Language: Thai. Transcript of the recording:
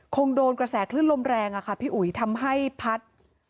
คงโดนกระแสคลื่นลมแรงอะค่ะพี่อุ๋ยทำให้พัด